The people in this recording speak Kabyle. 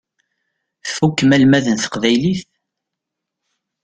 Tfukkem almad n teqbaylit?